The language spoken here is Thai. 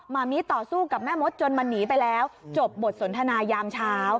มามิต่อสู้กับแม่มดจนมันหนีไปแล้วจบบทสนทนายามเช้า